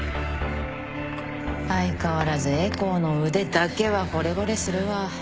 相変わらずエコーの腕だけはほれぼれするわ